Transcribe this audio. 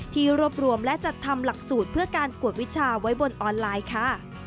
ที่รวบรวมและจัดทำหลักสูตรเพื่อการกวดวิชาไว้บนออนไลน์ค่ะ